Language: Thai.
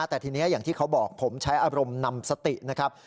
แต่ทีนี้อย่างที่เขาบอกผมใช้อารมณ์นำสตินะครับ